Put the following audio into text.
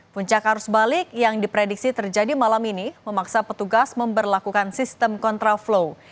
puncak arus balik yang diprediksi terjadi malam ini memaksa petugas memperlakukan sistem kontraflow